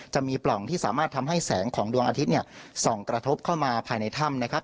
ปล่องที่สามารถทำให้แสงของดวงอาทิตย์เนี่ยส่องกระทบเข้ามาภายในถ้ำนะครับ